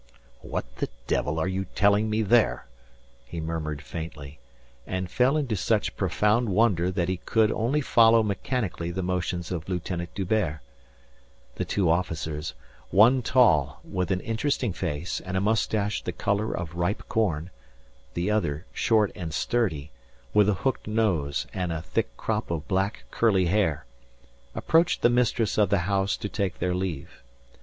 "What the devil are you telling me there?" he murmured faintly, and fell into such profound wonder that he could only follow mechanically the motions of Lieutenant D'Hubert. The two officers one tall, with an interesting face and a moustache the colour of ripe corn, the other short and sturdy, with a hooked nose and a thick crop of black, curly hair approached the mistress of the house to take their leave.